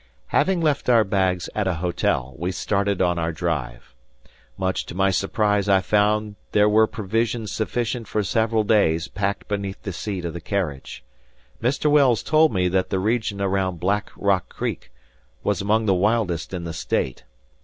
Having left our bags at a hotel, we started on our drive. Much to my surprise I found there were provisions sufficient for several days packed beneath the seat of the carriage. Mr. Wells told me that the region around Black Rock Creek was among the wildest in the state.